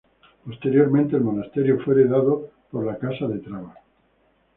Posteriormente el monasterio fue heredado por la Casa de Traba.